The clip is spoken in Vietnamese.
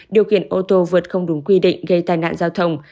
điều kiện ô tô vượt không đúng quy định gây tài nạn giao thông